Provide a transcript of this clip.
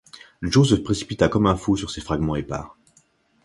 Joe se précipita comme un fou sur ces fragments épars.